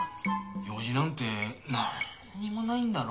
用事なんて何にもないんだろ？